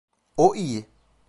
O iyi.